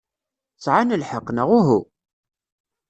Sɛan lḥeqq, neɣ uhu?